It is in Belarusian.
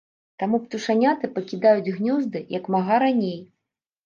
Таму птушаняты пакідаюць гнёзды як мага раней.